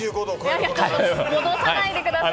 戻さないでください。